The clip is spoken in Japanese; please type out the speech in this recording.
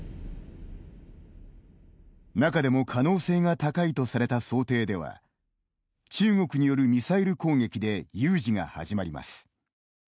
中でも可能性が高いとされた想定では中国によるミサイル攻撃で有事が始まります。